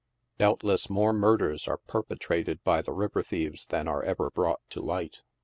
Doubtless more murders are perpetrated by the river thieves than ever are brought to light.